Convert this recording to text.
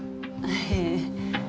ええ。